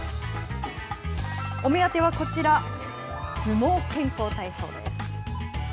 お目当てはこちら、相撲健康体操です。